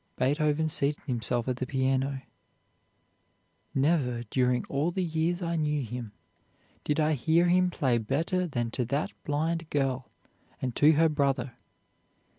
"Beethoven seated himself at the piano. Never, during all the years I knew him, did I hear him play better than to that blind girl and her brother.